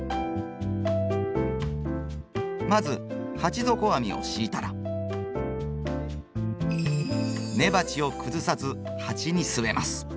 まず鉢底網を敷いたら根鉢を崩さず鉢に据えます。